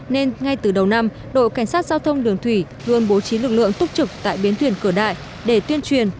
nên ngay từ đầu năm đội cảnh sát giao thông đường thủy luôn bố trí lực lượng túc trực tại biến thuyền cửa đại để tuyên truyền